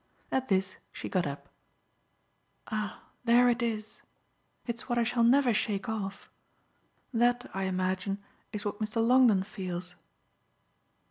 At this she got up. "Ah there it is! It's what I shall never shake off. That, I imagine, is what Mr. Longdon feels."